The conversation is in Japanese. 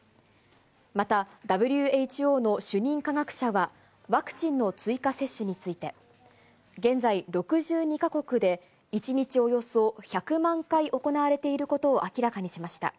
また、ＷＨＯの主任科学者は、ワクチンの追加接種について、現在、６２か国で１日およそ１００万回行われていることを明らかにしました。